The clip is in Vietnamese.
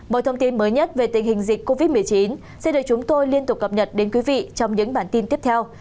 một thông tin mới nhất về tình hình dịch covid một mươi chín sẽ được chúng tôi liên tục cập nhật đến quý vị trong những bản tin tiếp theo